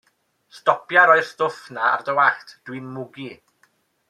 Stopia roi'r stwff 'na ar dy wallt, dw i'n mygu.